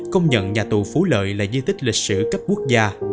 công nhận nhà tù phú lợi là di tích lịch sử cấp quốc gia